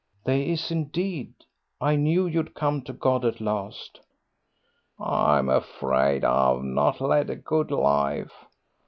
"They is, indeed. I knew you'd come to God at last." "I'm afraid I've not led a good life.